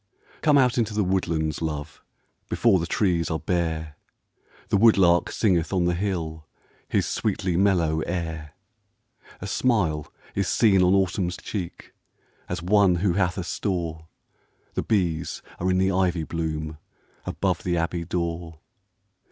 COME out into the woodlands, love, Before the trees are bare ; The woodlark singeth on the hill His sweetly mellow air. A smile is seen on Autumn's cheek, As one who hath a store ; The bees are in the ivy bloom, Above the abbey door.